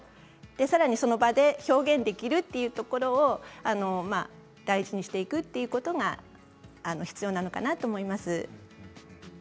さらに、その場で表現できるということを大事にしていくということが必要なのかなと思います。